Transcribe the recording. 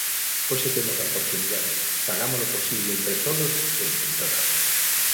Hoxe temos a oportunidade, fagámolo posible entre todos e entre todas.